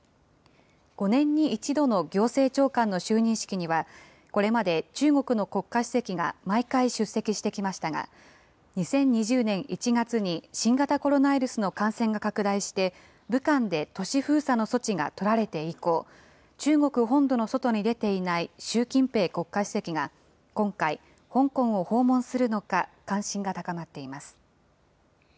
５年に１度の行政長官の就任式には、これまで中国の国家主席が毎回出席してきましたが、２０２０年１月に新型コロナウイルスの感染が拡大して、武漢で都市封鎖の措置が取られて以降、中国本土の外に出ていない習近平国家主席が今回、香港を訪問するのか関心が高まっています。